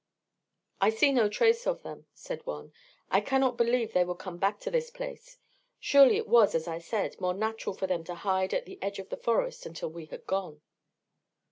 "I see no trace of them," said one. "I cannot believe they would come back to this place. Surely it was, as I said, more natural for them to hide at the edge of the forest until we had gone."